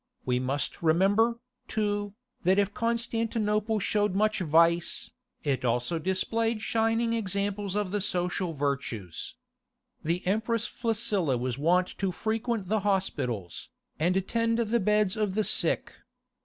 We must remember, too, that if Constantinople showed much vice, it also displayed shining examples of the social virtues. The Empress Flaccilla was wont to frequent the hospitals, and tend the beds of the sick.